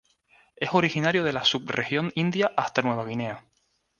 Es originario de la subregión India hasta Nueva Guinea.